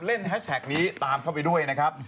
แฮชแท็กนี้ตามเข้าไปด้วยนะครับ